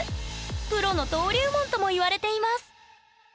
プロの登竜門ともいわれています。